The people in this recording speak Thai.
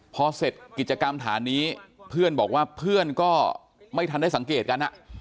พอเสร็จกิจกรรมฐานนี้เพื่อนบอกว่าเพื่อนก็ไม่ทันได้สังเกตกัน